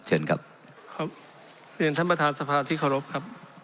เชิญครับครับเรียนท่านประธานสภาที่เคารพครับ